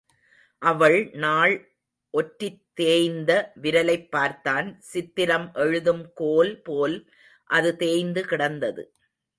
அவள் நாள் ஒற்றித் தேய்ந்த விரலைப் பார்த்தான் சித்திரம் எழுதும் கோல் போல் அது தேய்ந்து கிடந்தது.